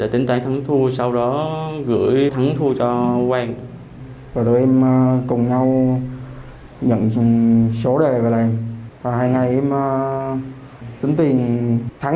tính toán thắng thua sau đó gửi thắng thua cho công an